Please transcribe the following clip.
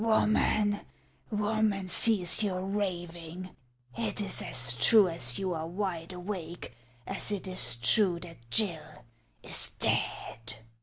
" Woman, woman, cease your raving ; it is as true that you are wide awake as it is true that Gill is dead.''